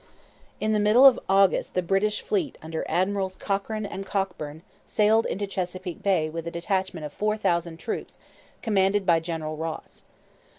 In the middle of August the British fleet under Admirals Cochrane and Cockburn sailed into Chesapeake Bay with a detachment of four thousand troops commanded by General Ross.